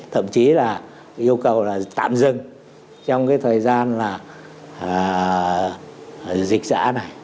thậm chí là yêu cầu là tạm dừng trong cái thời gian là dịch xã này